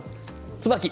ツバキ。